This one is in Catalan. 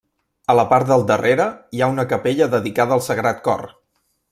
A la part del darrere hi ha una capella dedicada al Sagrat Cor.